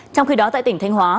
trong khi đó tại tỉnh thanh hóa